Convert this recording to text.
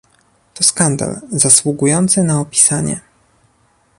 To skandal, zasługujący na opisanie